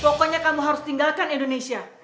pokoknya kamu harus tinggalkan indonesia